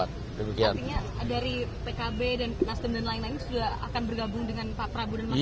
artinya dari pkb dan nasdem dan lain lain sudah akan bergabung dengan pak prabowo dan mas gibran